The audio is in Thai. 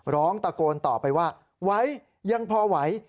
ร้องตะโกนต่อไปว่าไหวยังพอไหว